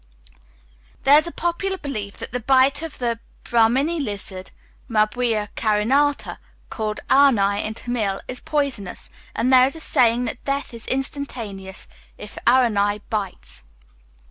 There is a popular belief that the bite of the Brahmini lizard (Mabuia carinata), called aranai in Tamil, is poisonous, and there is a saying that death is instantaneous if aranai bites.